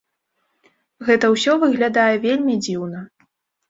Гэта ўсё выглядае вельмі дзіўна.